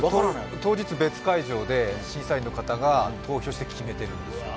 当日、別会場で審査員の方が投票して決めてるんですね。